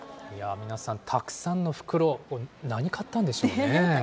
皆さん、たくさんの袋、何買ったんでしょうね。